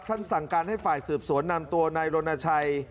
สั่งการให้ฝ่ายสืบสวนนำตัวนายรณชัย